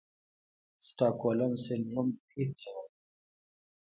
سټاکهولم سنډروم د ویرې ژبه ده.